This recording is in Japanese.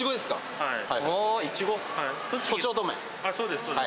あそうです